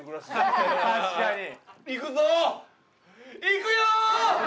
いくよー！